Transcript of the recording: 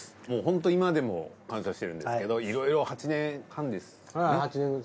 もうホント今でも感謝してるんですけどいろいろ８年半ですよね？